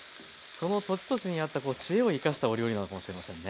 その土地土地に合った知恵を生かしたお料理なのかもしれませんね。